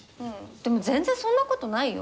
でも全然そんなことないよ。